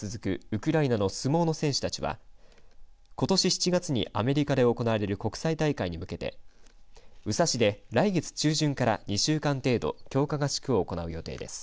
ウクライナの相撲の選手たちはことし７月にアメリカで行われる国際大会に向けて宇佐市で来月中旬から２週間程度強化合宿を行う予定です。